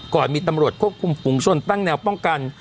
ก่อนมีตำรวจควบคุมฝุงชนตั้งแนวป้องกัน